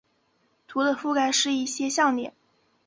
图的覆盖是一些顶点。